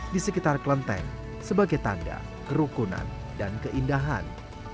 di sekitar kelenteng sebagai tanda kerukunan dan keindahan